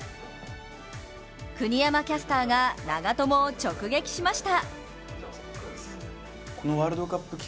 国山キャスターが長友を直撃しました！